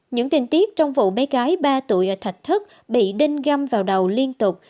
những tin tiếp trong vụ bé gái ba tuổi ở thạch thất bị đinh găm vào đầu liên tục